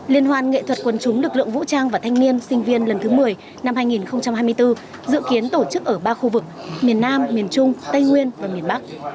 liên hoan nghệ thuật quân chúng lực lượng vũ trang và thanh niên sinh viên lần thứ một mươi năm hai nghìn hai mươi bốn dự kiến tổ chức ở ba khu vực miền nam miền trung tây nguyên và miền bắc